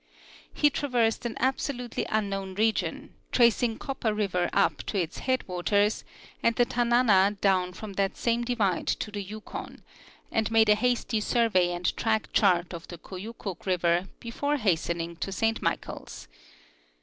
He traversed an absolutely unknown region, tracing Copper river up to its head waters and the Tanana down from that same divide to the Yukon, and made a hasty survey and track chart of the Koyukuk river before hastening Work of the National Gcor/rapJtic Society. 175 to Saint Michaels.